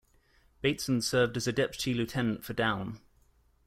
Bateson served as a Deputy Lieutenant for Down.